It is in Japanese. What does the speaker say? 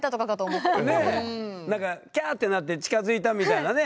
キャーってなって近づいたみたいなね。